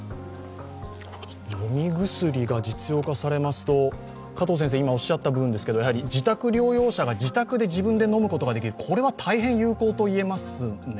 飲み薬が実用化されますと、自宅療養者が自宅で自分で飲むことができるこれは大変有効と言えますよね。